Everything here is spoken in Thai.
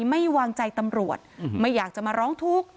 ไม่วางใจตำรวจไม่อยากจะมาร้องทุกข์